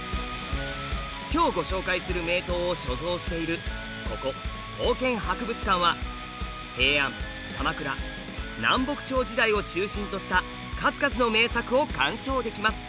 今日ご紹介する名刀を所蔵しているここ刀剣博物館は平安・鎌倉・南北朝時代を中心とした数々の名作を鑑賞できます。